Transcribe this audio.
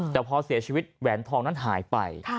แต่พอเสียชีวิตแหวนทองนั้นหายไป